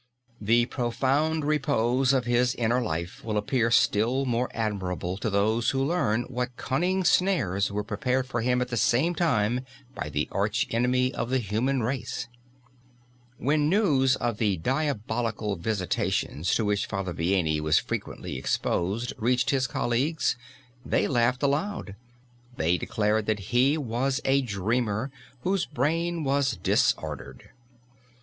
The profound repose of his inner life will appear still more admirable to those who learn what cunning snares were prepared for him at the same time by the arch enemy of the human race. When news of the diabolical visitations to which Father Vianney was frequently exposed, reached his colleagues, they laughed aloud. They declared that he was a dreamer, whose brain was disordered.